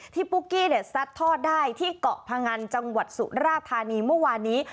ปุ๊กกี้ซัดทอดได้ที่เกาะพงันจังหวัดสุราธานีเมื่อวานนี้